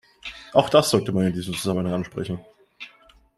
Auch das sollte man in diesem Zusammenhang ansprechen.